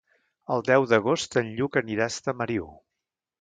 El deu d'agost en Lluc anirà a Estamariu.